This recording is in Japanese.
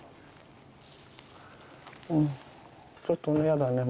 ちょっとね嫌だね